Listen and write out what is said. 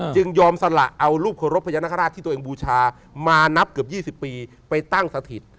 ยอมสละเอารูปเคารพพญานาคาราชที่ตัวเองบูชามานับเกือบ๒๐ปีไปตั้งสถิต